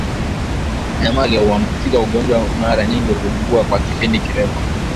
Wanyama walioambukizwa ugonjwa mara nyingi huugua kwa kipindi kirefu